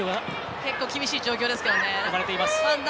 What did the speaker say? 結構厳しい状況ですね。